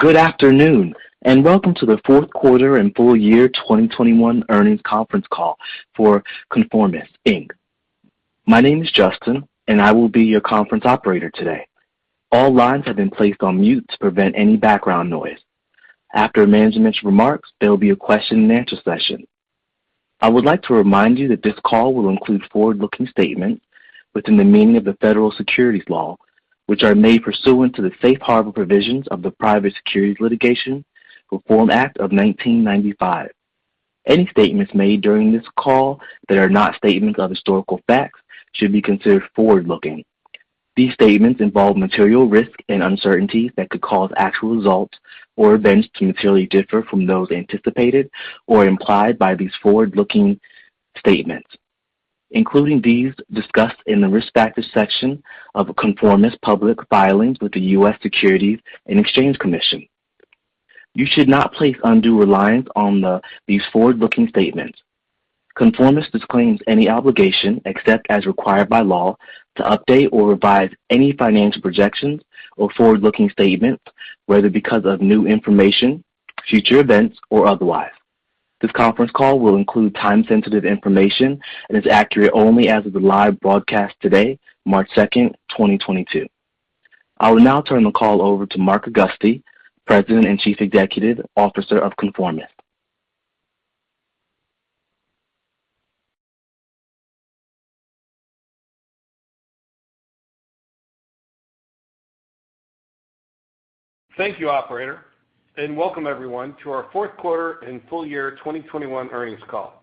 Good afternoon, and welcome to the Fourth Quarter and Full Year 2021 Earnings Conference Call for Conformis, Inc. My name is Justin, and I will be your conference operator today. All lines have been placed on mute to prevent any background noise. After management's remarks, there will be a question-and-answer session. I would like to remind you that this call will include forward-looking statements within the meaning of the Federal Securities law, which are made pursuant to the safe harbor provisions of the Private Securities Litigation Reform Act of 1995. Any statements made during this call that are not statements of historical facts should be considered forward-looking. These statements involve material risks and uncertainties that could cause actual results or events to materially differ from those anticipated or implied by these forward-looking statements, including these discussed in the risk factors section of Conformis public filings with the U.S. Securities and Exchange Commission. You should not place undue reliance on these forward-looking statements. Conformis disclaims any obligation, except as required by law, to update or revise any financial projections or forward-looking statements, whether because of new information, future events, or otherwise. This conference call will include time-sensitive information and is accurate only as of the live broadcast today, March 2, 2022. I will now turn the call over to Mark Augusti, President and Chief Executive Officer of Conformis. Thank you, operator, and welcome everyone to our Fourth Quarter and Full Year 2021 Earnings Call.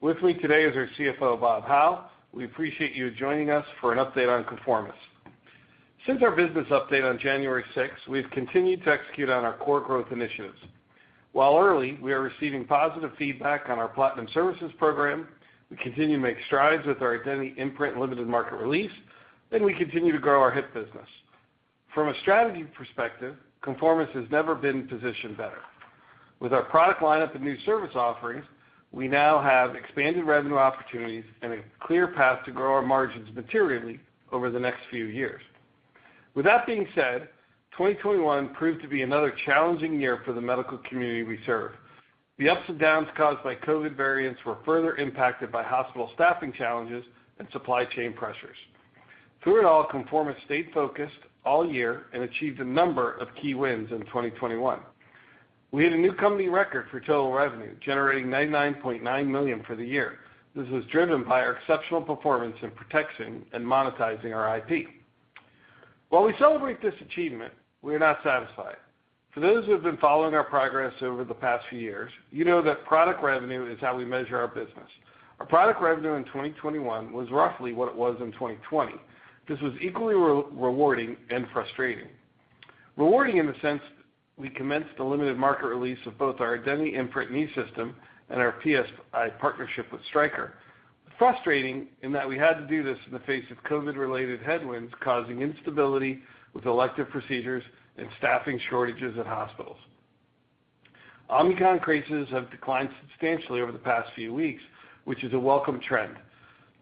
With me today is our CFO, Bob Howe. We appreciate you joining us for an update on Conformis. Since our business update on January 6, we've continued to execute on our core growth initiatives. While early, we are receiving positive feedback on our Platinum Services Program. We continue to make strides with our Identity Imprint limited market release, and we continue to grow our hip business. From a strategy perspective, Conformis has never been positioned better. With our product lineup and new service offerings, we now have expanded revenue opportunities and a clear path to grow our margins materially over the next few years. With that being said, 2021 proved to be another challenging year for the medical community we serve. The ups and downs caused by COVID variants were further impacted by hospital staffing challenges and supply chain pressures. Through it all, Conformis stayed focused all year and achieved a number of key wins in 2021. We had a new company record for total revenue, generating $99.9 million for the year. This was driven by our exceptional performance in protecting and monetizing our IP. While we celebrate this achievement, we are not satisfied. For those who have been following our progress over the past few years, you know that product revenue is how we measure our business. Our product revenue in 2021 was roughly what it was in 2020. This was equally rewarding and frustrating. Rewarding in the sense we commenced a limited market release of both our Identity Imprint knee system and our PSI partnership with Stryker. Frustrating in that we had to do this in the face of COVID-related headwinds causing instability with elective procedures and staffing shortages at hospitals. Omicron cases have declined substantially over the past few weeks, which is a welcome trend.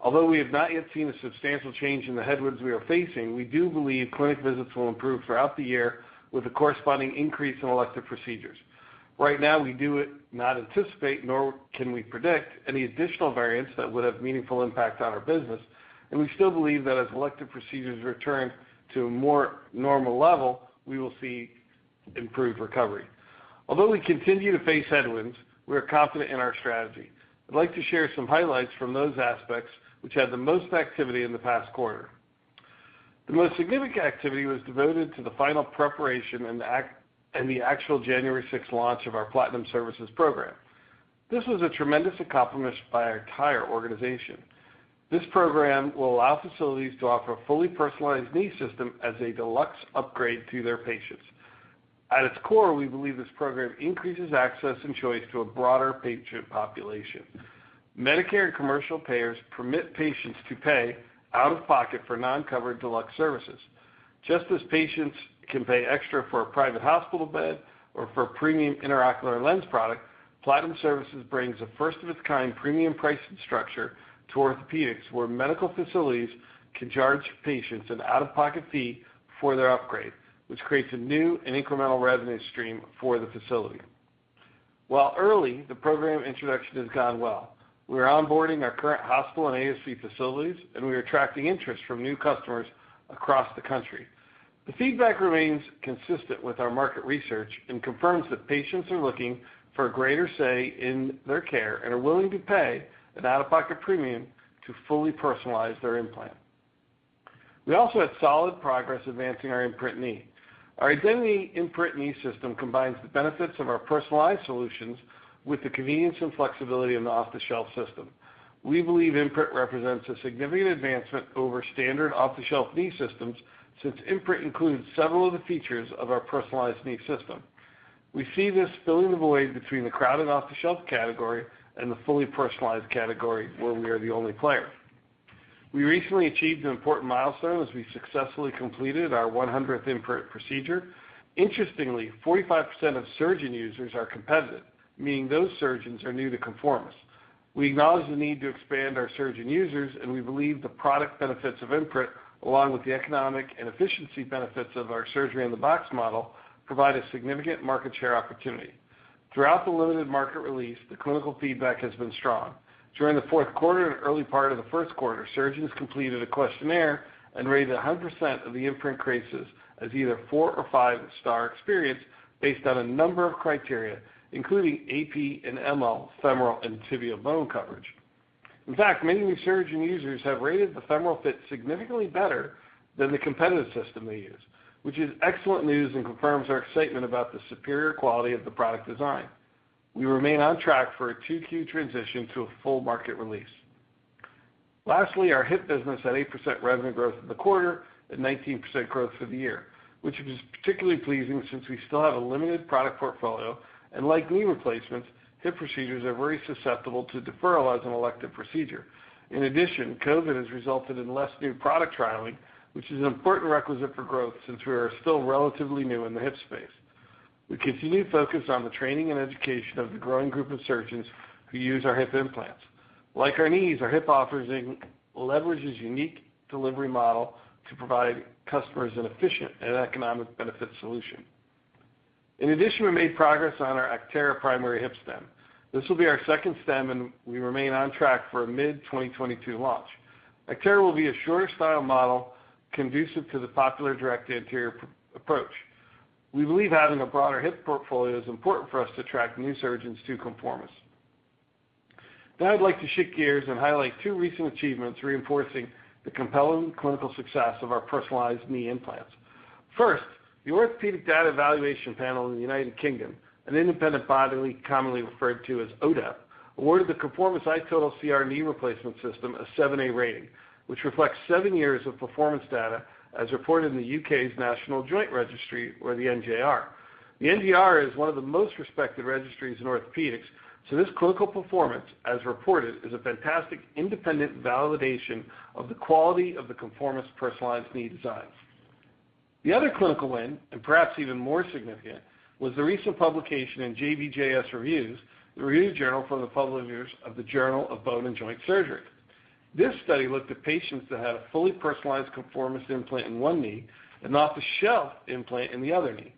Although we have not yet seen a substantial change in the headwinds we are facing, we do believe clinic visits will improve throughout the year with a corresponding increase in elective procedures. Right now we do not anticipate, nor can we predict any additional variants that would have meaningful impact on our business. We still believe that as elective procedures return to a more normal level, we will see improved recovery. Although we continue to face headwinds, we are confident in our strategy. I'd like to share some highlights from those aspects which had the most activity in the past quarter. The most significant activity was devoted to the final preparation and the actual January 6 launch of our Platinum Services Program. This was a tremendous accomplishment by our entire organization. This program will allow facilities to offer a fully personalized knee system as a deluxe upgrade to their patients. At its core, we believe this program increases access and choice to a broader patient population. Medicare and commercial payers permit patients to pay out-of-pocket for non-covered deluxe services. Just as patients can pay extra for a private hospital bed or for a premium intraocular lens product, Platinum Services brings a first of its kind premium pricing structure to orthopedics, where medical facilities can charge patients an out-of-pocket fee for their upgrade, which creates a new and incremental revenue stream for the facility. While early, the program introduction has gone well. We are onboarding our current hospital and ASC facilities, and we are attracting interest from new customers across the country. The feedback remains consistent with our market research and confirms that patients are looking for a greater say in their care and are willing to pay an out-of-pocket premium to fully personalize their implant. We also had solid progress advancing our Imprint knee. Our Identity Imprint knee system combines the benefits of our personalized solutions with the convenience and flexibility of an off-the-shelf system. We believe Imprint represents a significant advancement over standard off-the-shelf knee systems since Imprint includes several of the features of our personalized knee system. We see this filling the void between the crowded off-the-shelf category and the fully personalized category where we are the only player. We recently achieved an important milestone as we successfully completed our 100th Imprint procedure. Interestingly, 45% of surgeon users are competitive, meaning those surgeons are new to Conformis. We acknowledge the need to expand our surgeon users, and we believe the product benefits of Imprint, along with the economic and efficiency benefits of our Surgery-in-a-Box model, provide a significant market share opportunity. Throughout the limited market release, the clinical feedback has been strong. During the fourth quarter and early part of the first quarter, surgeons completed a questionnaire and rated 100% of the Imprint cases as either four or five-star experience based on a number of criteria, including AP and ML, femoral and tibial bone coverage. In fact, many new surgeon users have rated the femoral fit significantly better than the competitive system they use, which is excellent news and confirms our excitement about the superior quality of the product design. We remain on track for a Q2 transition to a full market release. Lastly, our hip business had 8% revenue growth in the quarter and 19% growth for the year, which is particularly pleasing since we still have a limited product portfolio. Like knee replacements, hip procedures are very susceptible to deferral as an elective procedure. In addition, COVID has resulted in less new product trialing, which is an important requisite for growth since we are still relatively new in the hip space. We continue to focus on the training and education of the growing group of surgeons who use our hip implants. Like our knees, our hip offering leverages unique delivery model to provide customers an efficient and economic benefit solution. In addition, we made progress on our Actera primary hip stem. This will be our second stem, and we remain on track for a mid-2022 launch. Actera will be a shorter style model conducive to the popular direct anterior approach. We believe having a broader hip portfolio is important for us to attract new surgeons to Conformis. Now I'd like to shift gears and highlight two recent achievements reinforcing the compelling clinical success of our personalized knee implants. First, the Orthopaedic Data Evaluation Panel in the United Kingdom, an independent body commonly referred to as ODEP, awarded the Conformis iTotal CR knee replacement system a 7A rating, which reflects seven years of performance data as reported in the U.K.'s National Joint Registry or the NJR. The NJR is one of the most respected registries in orthopedics, so this clinical performance, as reported, is a fantastic independent validation of the quality of the Conformis personalized knee designs. The other clinical win, and perhaps even more significant, was the recent publication in JBJS Reviews, the review journal from the publishers of The Journal of Bone & Joint Surgery. This study looked at patients that had a fully personalized Conformis implant in one knee an off-the-shelf implant in the other knee.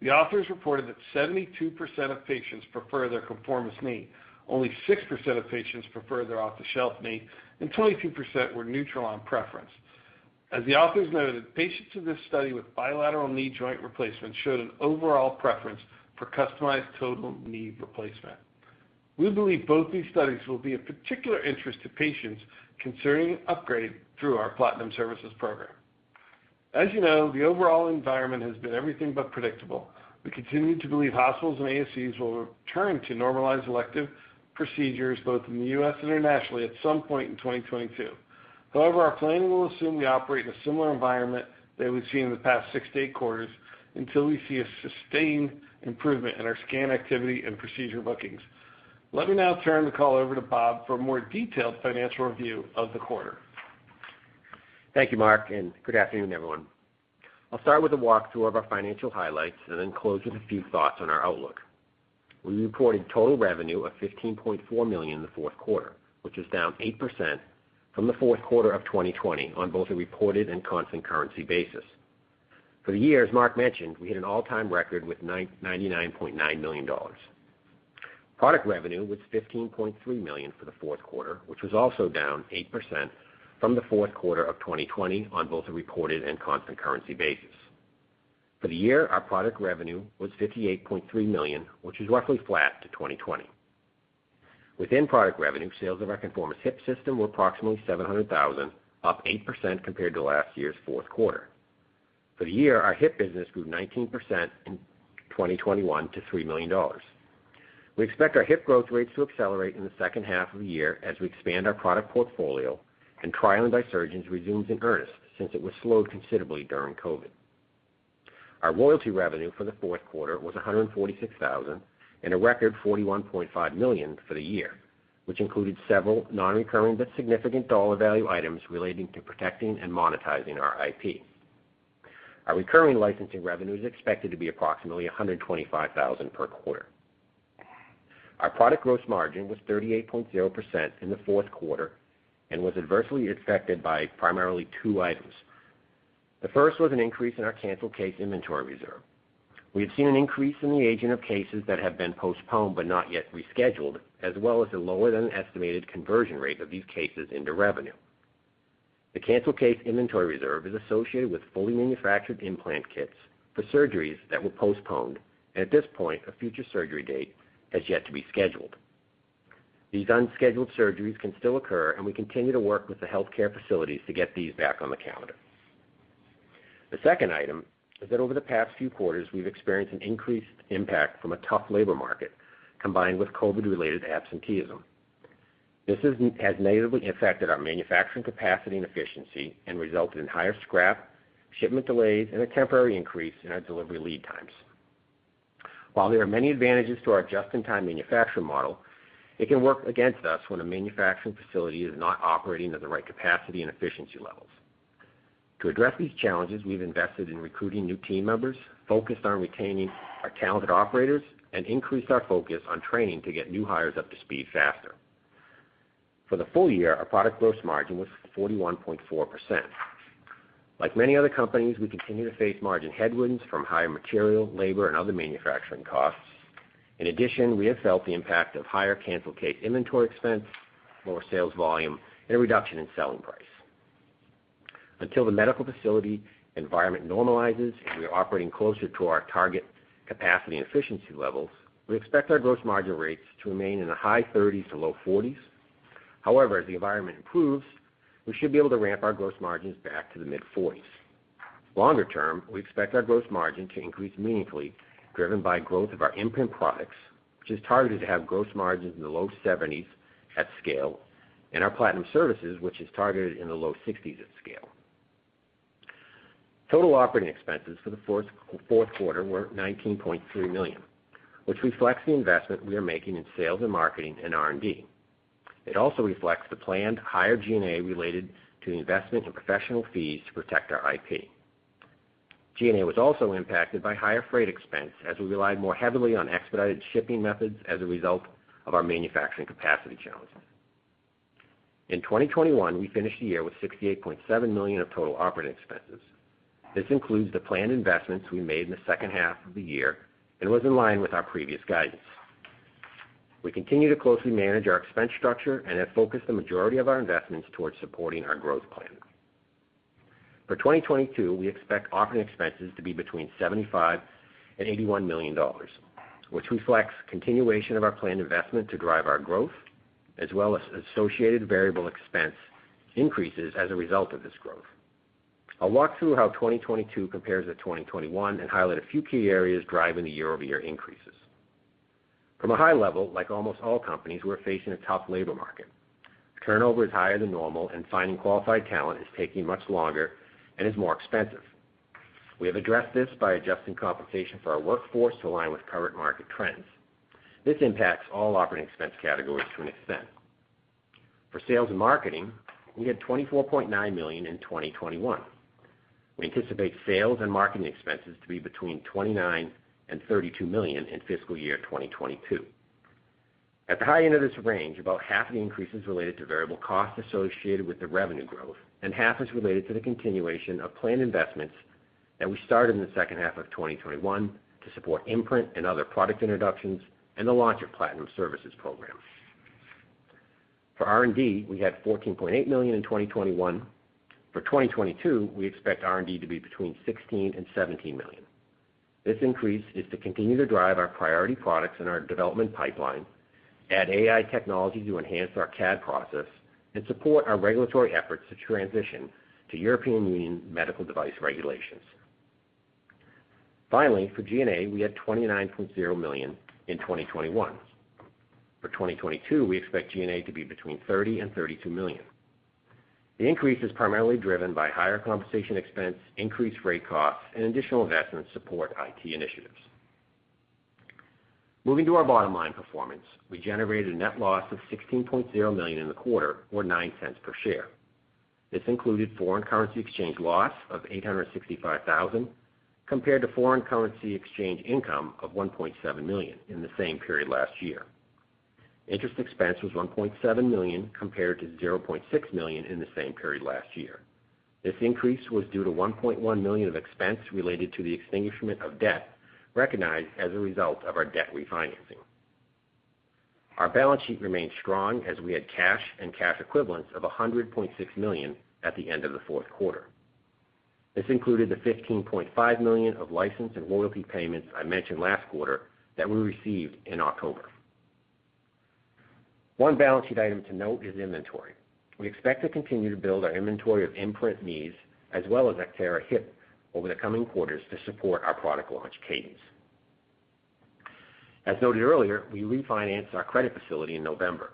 The authors reported that 72% of patients prefer their Conformis knee. Only 6% of patients prefer their off-the-shelf knee, and 22% were neutral on preference. As the authors noted, patients in this study with bilateral knee joint replacements showed an overall preference for customized total knee replacement. We believe both these studies will be of particular interest to patients considering an upgrade through our Platinum Services Program. As you know, the overall environment has been everything but predictable. We continue to believe hospitals and ASCs will return to normalized elective procedures both in the U.S. and internationally at some point in 2022. However, our planning will assume we operate in a similar environment that we've seen in the past six to eight quarters until we see a sustained improvement in our scan activity and procedure bookings. Let me now turn the call over to Bob for a more detailed financial review of the quarter. Thank you, Mark, and good afternoon, everyone. I'll start with a walkthrough of our financial highlights and then close with a few thoughts on our outlook. We reported total revenue of $15.4 million in the fourth quarter, which is down 8% from the fourth quarter of 2020 on both a reported and constant currency basis. For the year, as Mark mentioned, we hit an all-time record with $99.9 million. Product revenue was $15.3 million for the fourth quarter, which was also down 8% from the fourth quarter of 2020 on both a reported and constant currency basis. For the year, our product revenue was $58.3 million, which is roughly flat to 2020. Within product revenue, sales of our Conformis Hip System were approximately $700,000, up 8% compared to last year's fourth quarter. For the year, our hip business grew 19% in 2021 to $3 million. We expect our hip growth rates to accelerate in the second half of the year as we expand our product portfolio and trialing by surgeons resumes in earnest since it was slowed considerably during COVID. Our royalty revenue for the fourth quarter was $146,000 and a record $41.5 million for the year, which included several non-recurring but significant dollar value items relating to protecting and monetizing our IP. Our recurring licensing revenue is expected to be approximately $125,000 per quarter. Our product gross margin was 38.0% in the fourth quarter and was adversely affected by primarily two items. The first was an increase in our canceled case inventory reserve. We have seen an increase in the aging of cases that have been postponed but not yet rescheduled, as well as a lower than estimated conversion rate of these cases into revenue. The canceled case inventory reserve is associated with fully manufactured implant kits for surgeries that were postponed, and at this point, a future surgery date has yet to be scheduled. These unscheduled surgeries can still occur, and we continue to work with the healthcare facilities to get these back on the calendar. The second item is that over the past few quarters, we've experienced an increased impact from a tough labor market combined with COVID-related absenteeism. This has negatively affected our manufacturing capacity and efficiency and resulted in higher scrap, shipment delays, and a temporary increase in our delivery lead times. While there are many advantages to our just-in-time manufacturing model, it can work against us when a manufacturing facility is not operating at the right capacity and efficiency levels. To address these challenges, we've invested in recruiting new team members, focused on retaining our talented operators, and increased our focus on training to get new hires up to speed faster. For the full year, our product gross margin was 41.4%. Like many other companies, we continue to face margin headwinds from higher material, labor, and other manufacturing costs. In addition, we have felt the impact of higher cancel case inventory expense, lower sales volume, and a reduction in selling price. Until the medical facility environment normalizes and we are operating closer to our target capacity and efficiency levels, we expect our gross margin rates to remain in the high 30s%-low 40s%. However, as the environment improves, we should be able to ramp our gross margins back to the mid-40s%. Longer term, we expect our gross margin to increase meaningfully, driven by growth of our Imprint products, which is targeted to have gross margins in the low 70s% at scale, and our Platinum Services, which is targeted in the low 60s% at scale. Total operating expenses for the fourth quarter were $19.3 million, which reflects the investment we are making in sales and marketing and R&D. It also reflects the planned higher G&A related to the investment in professional fees to protect our IP. G&A was also impacted by higher freight expense as we relied more heavily on expedited shipping methods as a result of our manufacturing capacity challenges. In 2021, we finished the year with $68.7 million of total operating expenses. This includes the planned investments we made in the second half of the year and was in line with our previous guidance. We continue to closely manage our expense structure and have focused the majority of our investments towards supporting our growth plan. For 2022, we expect operating expenses to be between $75 million and $81 million, which reflects continuation of our planned investment to drive our growth, as well as associated variable expense increases as a result of this growth. I'll walk through how 2022 compares to 2021 and highlight a few key areas driving the year-over-year increases. From a high level, like almost all companies, we're facing a tough labor market. Turnover is higher than normal, and finding qualified talent is taking much longer and is more expensive. We have addressed this by adjusting compensation for our workforce to align with current market trends. This impacts all operating expense categories to an extent. For sales and marketing, we had $24.9 million in 2021. We anticipate sales and marketing expenses to be between $29 million and $32 million in fiscal year 2022. At the high end of this range, about half of the increase is related to variable costs associated with the revenue growth, and half is related to the continuation of planned investments that we started in the second half of 2021 to support Imprint and other product introductions and the launch of Platinum Services Program. For R&D, we had $14.8 million in 2021. For 2022, we expect R&D to be between $16 million and $17 million. This increase is to continue to drive our priority products in our development pipeline, add AI technology to enhance our CAD process, and support our regulatory efforts to transition to European Union Medical Device Regulation. Finally, for G&A, we had $29.0 million in 2021. For 2022, we expect G&A to be between $30 million and $32 million. The increase is primarily driven by higher compensation expense, increased rate costs, and additional investments to support IT initiatives. Moving to our bottom line performance, we generated a net loss of $16.0 million in the quarter, or $0.09 per share. This included foreign currency exchange loss of $865,000 compared to foreign currency exchange income of $1.7 million in the same period last year. Interest expense was $1.7 million compared to $0.6 million in the same period last year. This increase was due to $1.1 million of expense related to the extinguishment of debt recognized as a result of our debt refinancing. Our balance sheet remained strong as we had cash and cash equivalents of $100.6 million at the end of the fourth quarter. This included the $15.5 million of license and royalty payments I mentioned last quarter that we received in October. One balance sheet item to note is inventory. We expect to continue to build our inventory of Imprint knees as well as Actera hip over the coming quarters to support our product launch cadence. As noted earlier, we refinanced our credit facility in November.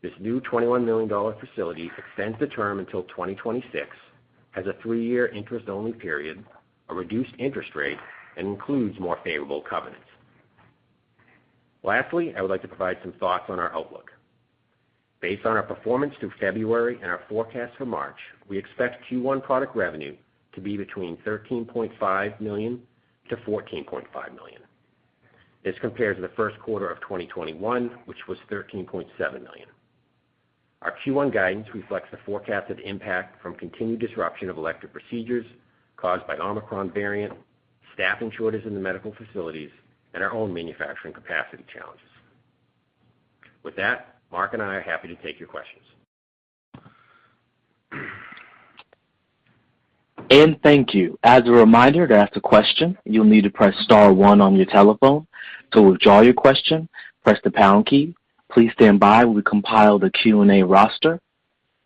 This new $21 million facility extends the term until 2026, has a three-year interest-only period, a reduced interest rate, and includes more favorable covenants. Lastly, I would like to provide some thoughts on our outlook. Based on our performance through February and our forecast for March, we expect Q1 product revenue to be between $13.5 million-$14.5 million. This compares to the first quarter of 2021, which was $13.7 million. Our Q1 guidance reflects the forecasted impact from continued disruption of elective procedures caused by Omicron variant, staffing shortages in the medical facilities, and our own manufacturing capacity challenges. With that, Mark and I are happy to take your questions. Thank you. As a reminder, to ask a question, you'll need to press star one on your telephone. To withdraw your question, press the pound key. Please stand by while we compile the Q&A roster.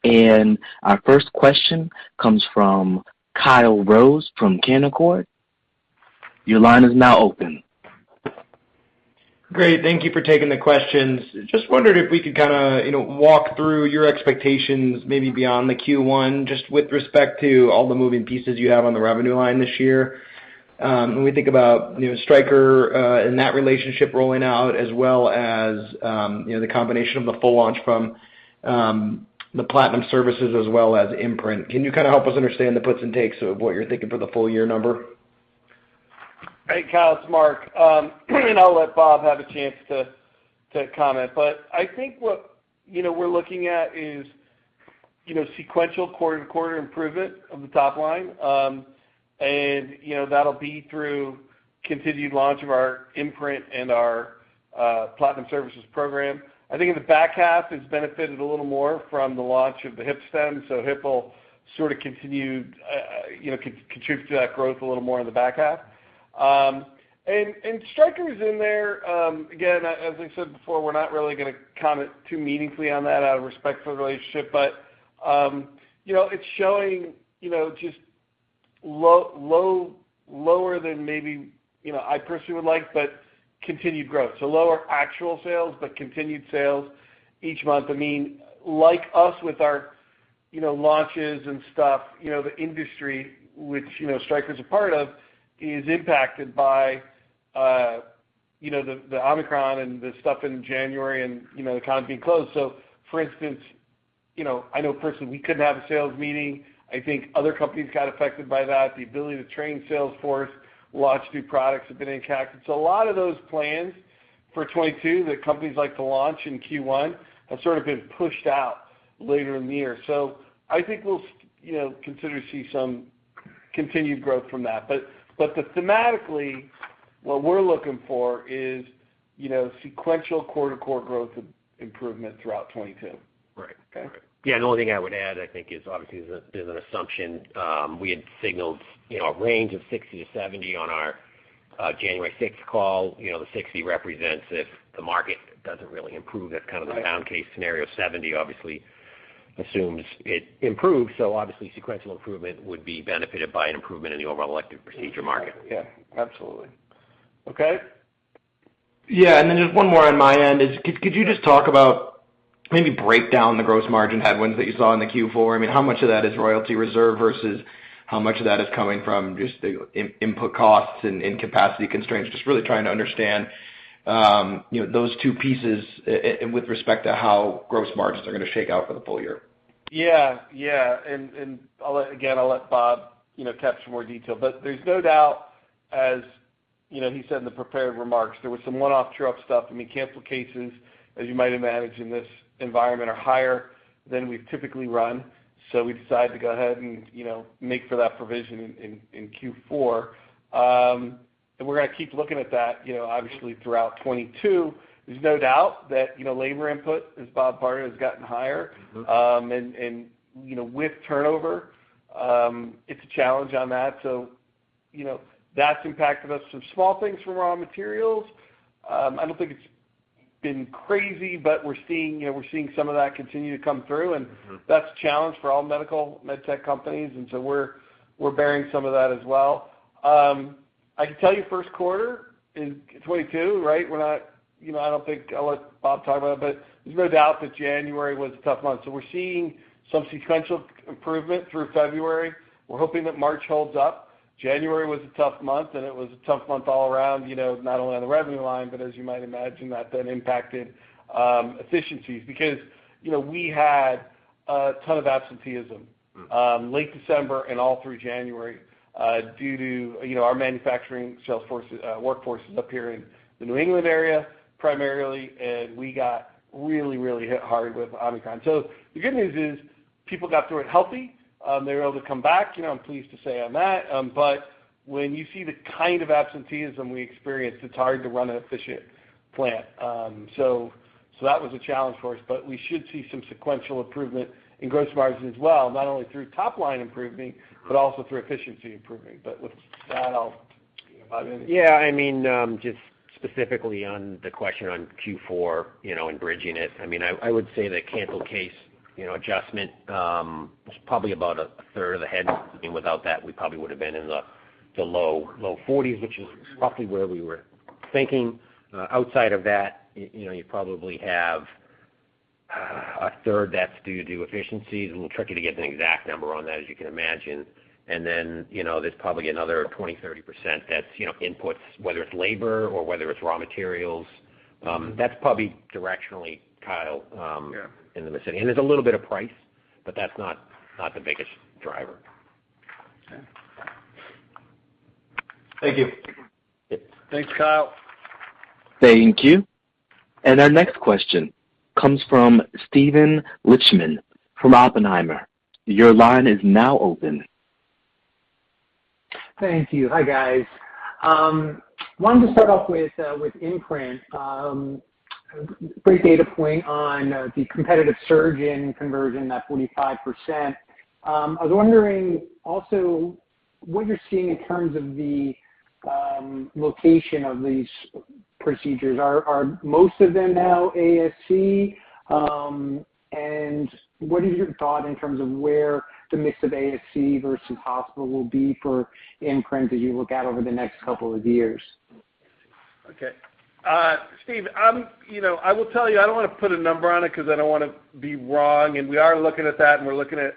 Our first question comes from Kyle Rose from Canaccord Genuity. Your line is now open. Great. Thank you for taking the questions. Just wondered if we could kinda, you know, walk through your expectations maybe beyond the Q1, just with respect to all the moving pieces you have on the revenue line this year. When we think about, you know, Stryker, and that relationship rolling out, as well as, you know, the combination of the full launch from, the Platinum Services as well as Imprint, can you kind of help us understand the puts and takes of what you're thinking for the full year number? Hey, Kyle, it's Mark. I'll let Bob have a chance to comment. I think what we're looking at is sequential quarter-to-quarter improvement of the top line. That'll be through continued launch of our Imprint and our Platinum Services Program. I think in the back half, it's benefited a little more from the launch of the hip stem, so hip will sort of continue to contribute to that growth a little more in the back half. Stryker's in there, again, as I said before, we're not really gonna comment too meaningfully on that out of respect for the relationship. You know, it's showing just lower than maybe I personally would like, but continued growth. Lower actual sales, but continued sales each month. I mean, like us with our, you know, launches and stuff, you know, the industry, which, you know, Stryker's a part of, is impacted by, you know, the Omicron and the stuff in January and, you know, the economy being closed. For instance, you know, I know personally, we couldn't have a sales meeting. I think other companies got affected by that. The ability to train sales force, launch new products have been impacted. A lot of those plans for 2022 that companies like to launch in Q1 have sort of been pushed out later in the year. I think we'll, you know, continue to see some continued growth from that. But thematically, what we're looking for is, you know, sequential quarter-to-quarter growth improvement throughout 2022. Right. Okay? Yeah. The only thing I would add, I think, is obviously there's an assumption we had signaled, you know, a range of $60-$70 on our January 6th call. You know, the $60 represents if the market doesn't really improve. That's kind of the downside case scenario. $70 obviously assumes it improves, so obviously sequential improvement would be benefited by an improvement in the overall elective procedure market. Yeah, absolutely. Okay? Yeah. Then just one more on my end is could you just talk about, maybe break down the gross margin headwinds that you saw in Q4? I mean, how much of that is royalty reserve versus how much of that is coming from just the input costs and capacity constraints? Just really trying to understand, you know, those two pieces and with respect to how gross margins are gonna shake out for the full year. I'll let Bob, again, you know, touch on more detail. There's no doubt, as you know, he said in the prepared remarks, there was some one-off true-up stuff. I mean, canceled cases, as you might imagine, in this environment are higher than we've typically run. We decided to go ahead and, you know, make that provision in Q4. We're gonna keep looking at that, you know, obviously throughout 2022. There's no doubt that, you know, labor input, as Bob Howe, has gotten higher. You know, with turnover, it's a challenge on that. You know, that's impacted us. Some small things from raw materials, I don't think it's been crazy, but we're seeing, you know, we're seeing some of that continue to come through. That's a challenge for all medical med tech companies, and so we're bearing some of that as well. I can tell you first quarter in 2022, right, we're not, you know, I don't think I'll let Bob talk about it, but there's no doubt that January was a tough month. We're seeing some sequential improvement through February. We're hoping that March holds up. January was a tough month, and it was a tough month all around, you know, not only on the revenue line, but as you might imagine that then impacted efficiencies. Because, you know, we had a ton of absenteeism late December and all through January due to our manufacturing sales force workforce is up here in the New England area primarily, and we got really hit hard with Omicron. The good news is people got through it healthy, they were able to come back, you know, I'm pleased to say on that. When you see the kind of absenteeism we experienced, it's hard to run an efficient plant. That was a challenge for us, but we should see some sequential improvement in gross margin as well, not only through top line improvement, but also through efficiency improvement. With that, I'll, you know, Bob. Yeah. I mean, just specifically on the question on Q4, you know, and bridging it, I mean, I would say the canceled case, you know, adjustment, was probably about a third of the headwind. I mean, without that, we probably would've been in the low 40s, which is roughly where we were thinking. Outside of that, you know, you probably have a third that's due to efficiencies. A little tricky to get an exact number on that, as you can imagine. You know, there's probably another 20-30% that's, you know, inputs, whether it's labor or whether it's raw materials. That's probably directionally, Kyle, in the vicinity. There's a little bit of price, but that's not the biggest driver. Okay. Thank you. Thanks, Kyle. Thank you. Our next question comes from Steven Lichtman from Oppenheimer. Your line is now open. Thank you. Hi, guys. I wanted to start off with Imprint. Great data point on the competitive surge in conversion, that 45%. I was wondering also what you're seeing in terms of the location of these procedures. Are most of them now ASC? And what is your thought in terms of where the mix of ASC versus hospital will be for Imprint as you look out over the next couple of years? Okay. Steve, you know, I will tell you, I don't wanna put a number on it because I don't wanna be wrong, and we are looking at that, and we're looking at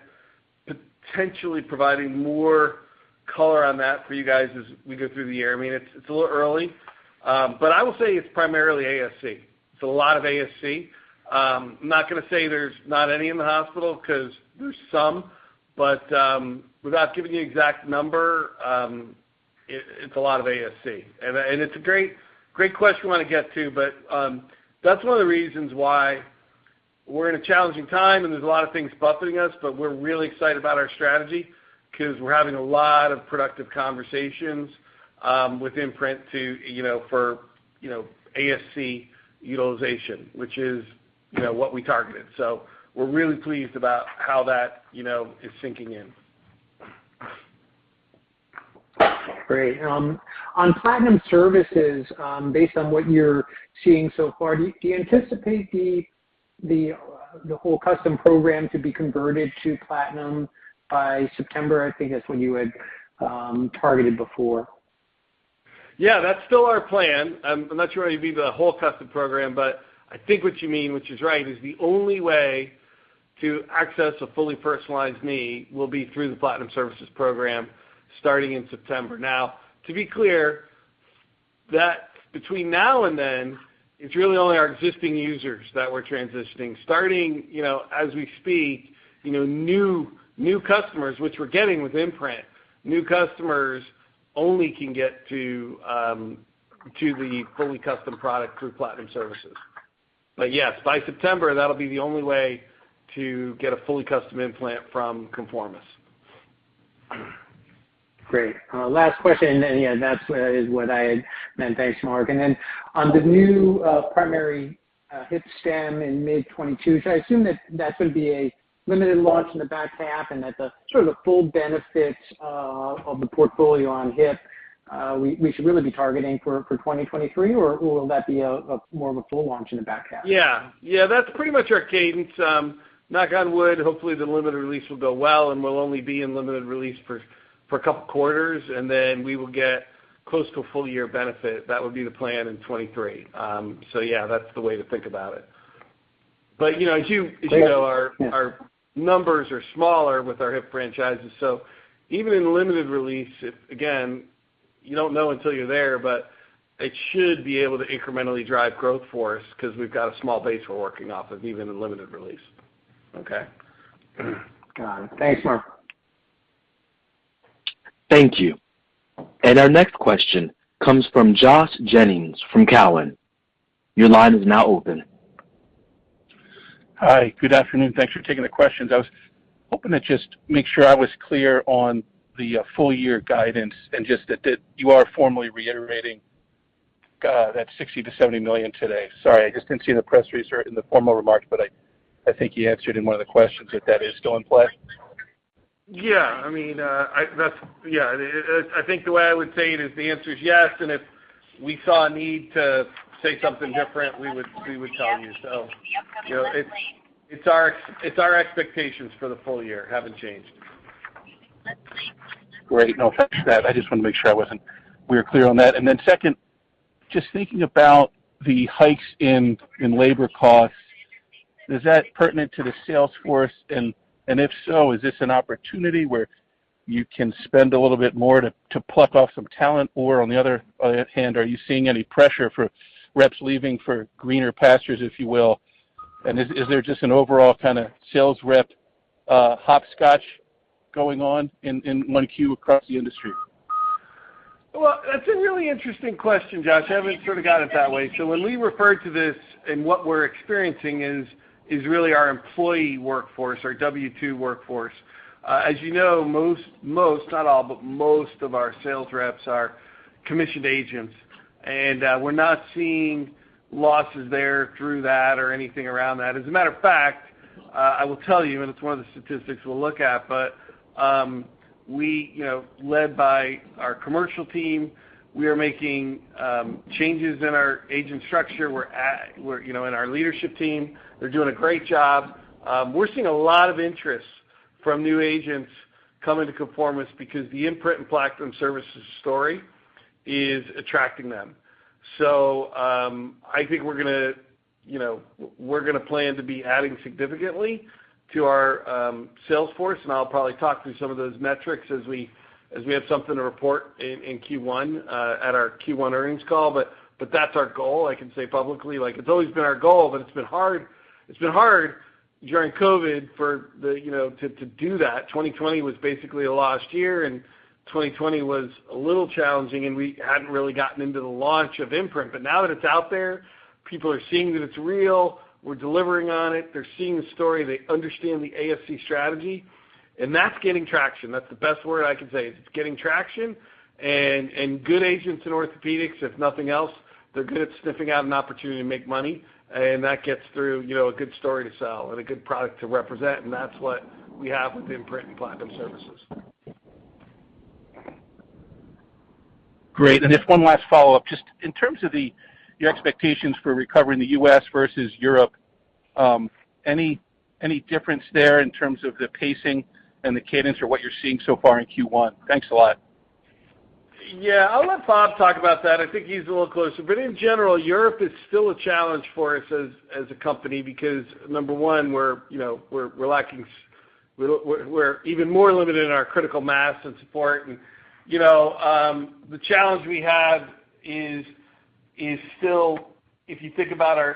potentially providing more color on that for you guys as we go through the year. I mean, it's a little early. I will say it's primarily ASC. It's a lot of ASC. I'm not gonna say there's not any in the hospital because there's some. Without giving you an exact number, it's a lot of ASC. It's a great question I wanna get to, but that's one of the reasons why we're in a challenging time, and there's a lot of things buffeting us, but we're really excited about our strategy because we're having a lot of productive conversations with Imprint to, you know, for, you know, ASC utilization, which is, you know, what we targeted. We're really pleased about how that, you know, is sinking in. Great. On Platinum Services, based on what you're seeing so far, do you anticipate the whole custom program to be converted to Platinum by September? I think that's when you had targeted before. Yeah, that's still our plan. I'm not sure it'd be the whole custom program, but I think what you mean, which is right, is the only way to access a fully personalized knee will be through the Platinum Services Program starting in September. Now, to be clear, that between now and then, it's really only our existing users that we're transitioning. Starting, you know, as we speak, you know, new customers, which we're getting with Imprint, new customers only can get to the fully custom product through Platinum Services. But yes, by September, that'll be the only way to get a fully custom implant from Conformis. Great. Last question, and then, yeah, that's what I had meant. Thanks, Mark. Then on the new primary hip stem in mid-2022, should I assume that would be a limited launch in the back half and that the sort of the full benefit of the portfolio on hip we should really be targeting for 2023, or will that be a more of a full launch in the back half? Yeah. Yeah, that's pretty much our cadence. Knock on wood, hopefully the limited release will go well, and we'll only be in limited release for a couple quarters, and then we will get close to a full year benefit. That would be the plan in 2023. Yeah, that's the way to think about it. You know, as you know, our numbers are smaller with our hip franchises. Even in limited release, it, again, you don't know until you're there, but it should be able to incrementally drive growth for us because we've got a small base we're working off of even in limited release. Okay. Got it. Thanks, Mark. Thank you. Our next question comes from Josh Jennings from Cowen. Your line is now open. Hi. Good afternoon. Thanks for taking the questions. I was hoping to just make sure I was clear on the full year guidance and just that you are formally reiterating that $60 million-$70 million today. Sorry, I just didn't see the press release or in the formal remarks, but I think you answered in one of the questions that that is still in play. Yeah. I mean, I think the way I would say it is the answer is yes, and if we saw a need to say something different, we would tell you. You know, it's our expectations for the full year haven't changed. Great. No, thanks for that. I just wanted to make sure we were clear on that. Second, just thinking about the hikes in labor costs, is that pertinent to the sales force? If so, is this an opportunity where you can spend a little bit more to pluck off some talent? Or on the other hand, are you seeing any pressure for reps leaving for greener pastures, if you will? Is there just an overall kinda sales rep hopscotch going on in Q1 across the industry? Well, that's a really interesting question, Josh. I haven't thought of it that way. When we refer to this and what we're experiencing is really our employee workforce, our W-2 workforce. As you know, most, not all, but most of our sales reps are commissioned agents. We're not seeing losses there through that or anything around that. As a matter of fact, I will tell you, and it's one of the statistics we'll look at, but we, you know, led by our commercial team, we are making changes in our agent structure. Our leadership team. They're doing a great job. We're seeing a lot of interest from new agents coming to Conformis because the Imprint and Platinum Services story is attracting them. I think we're gonna, you know, plan to be adding significantly to our sales force, and I'll probably talk through some of those metrics as we have something to report in Q1 at our Q1 earnings call. That's our goal, I can say publicly. Like, it's always been our goal, but it's been hard during COVID, you know, to do that. 2020 was basically a lost year, and 2021 was a little challenging, and we hadn't really gotten into the launch of Imprint. Now that it's out there, people are seeing that it's real. We're delivering on it. They're seeing the story. They understand the ASC strategy, and that's gaining traction. That's the best word I can say, is it's gaining traction. Good agents in orthopedics, if nothing else, they're good at sniffing out an opportunity to make money, and that gets through, you know, a good story to sell and a good product to represent. That's what we have with Imprint and Platinum Services. Great. Just one last follow-up. Just in terms of the, your expectations for recovery in the U.S. versus Europe, any difference there in terms of the pacing and the cadence or what you're seeing so far in Q1? Thanks a lot. Yeah. I'll let Bob talk about that. I think he's a little closer. In general, Europe is still a challenge for us as a company because number one, we're even more limited in our critical mass and support. The challenge we have is still if you think about our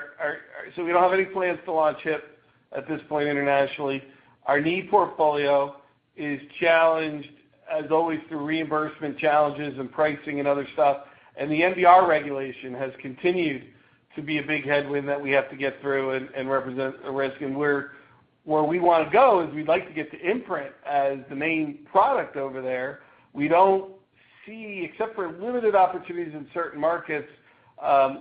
we don't have any plans to launch Hip at this point internationally. Our knee portfolio is challenged as always through reimbursement challenges and pricing and other stuff. The MDR regulation has continued to be a big headwind that we have to get through and represent a risk. Where we wanna go is we'd like to get to Imprint as the main product over there. Except for limited opportunities in certain markets,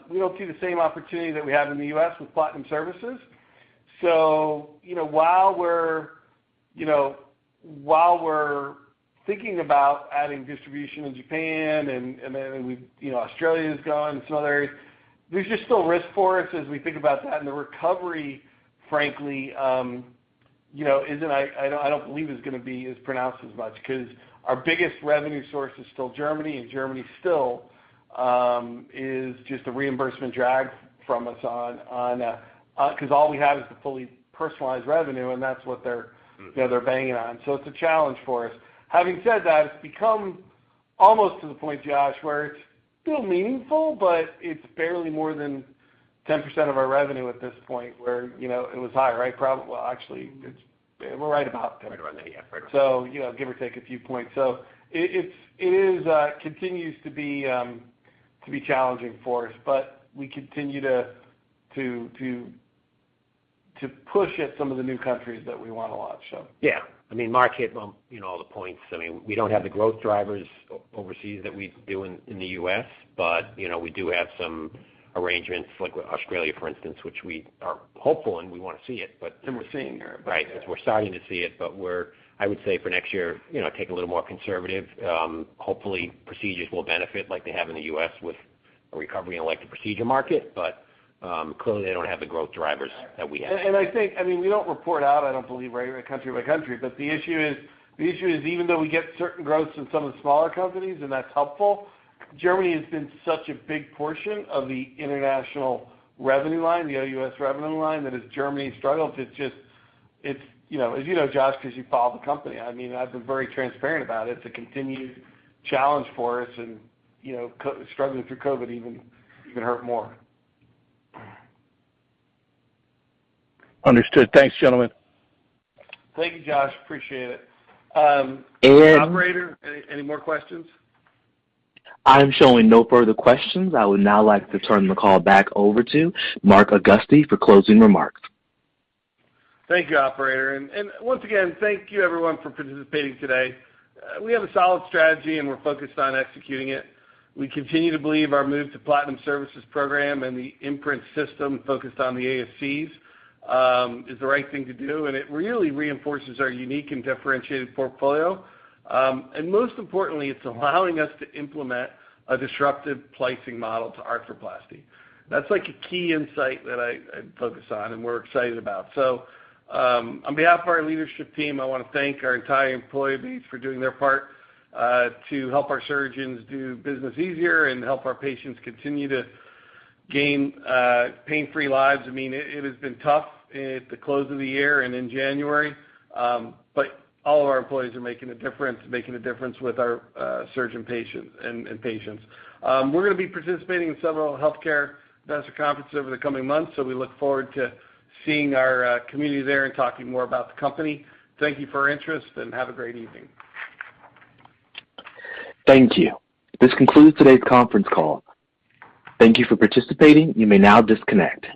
we don't see the same opportunity that we have in the U.S. with Platinum Services. While we're thinking about adding distribution in Japan and then Australia is gone and some other areas, there's just still risk for us as we think about that. The recovery, frankly, isn't. I don't believe it's gonna be as pronounced as much because our biggest revenue source is still Germany, and Germany still is just a reimbursement drag on us because all we have is the fully personalized revenue, and that's what they're banging on. It's a challenge for us. Having said that, it's become almost to the point, Josh, where it's still meaningful, but it's barely more than 10% of our revenue at this point where, you know, it was higher, right? Well, actually, we're right about 10%. Right about there, yeah. Right. You know, give or take a few points. It continues to be challenging for us, but we continue to push at some of the new countries that we wanna launch. Yeah. I mean, Mark hit on, you know, all the points. I mean, we don't have the growth drivers overseas that we do in the U.S., but, you know, we do have some arrangements like with Australia, for instance, which we are hopeful and we wanna see it, but. We're seeing there. Right. We're starting to see it. I would say for next year, you know, take a little more conservative. Hopefully, procedures will benefit like they have in the U.S. with a recovery in like the procedure market. Clearly, they don't have the growth drivers that we have. I think, I mean, we don't report out. I don't believe every country by country, but the issue is even though we get certain growths in some of the smaller countries, and that's helpful. Germany has been such a big portion of the international revenue line, the OUS revenue line, that as Germany struggles, it's just. It's, you know, as you know, Josh, because you follow the company. I mean, I've been very transparent about it. It's a continued challenge for us and, you know, struggling through COVID even hurt more. Understood. Thanks, gentlemen. Thank you, Josh. Appreciate it. Operator, any more questions? I'm showing no further questions. I would now like to turn the call back over to Mark Augusti for closing remarks. Thank you, operator. Once again, thank you everyone for participating today. We have a solid strategy, and we're focused on executing it. We continue to believe our move to Platinum Services Program and the Imprint system focused on the ASCs is the right thing to do, and it really reinforces our unique and differentiated portfolio. Most importantly, it's allowing us to implement a disruptive pricing model to arthroplasty. That's like a key insight that I focus on and we're excited about. On behalf of our leadership team, I wanna thank our entire employee base for doing their part to help our surgeons do business easier and help our patients continue to gain pain-free lives. I mean, it has been tough at the close of the year and in January, but all of our employees are making a difference with our surgeon patients and patients. We're gonna be participating in several healthcare investor conferences over the coming months, so we look forward to seeing our community there and talking more about the company. Thank you for your interest, and have a great evening. Thank you. This concludes today's conference call. Thank you for participating. You may now disconnect.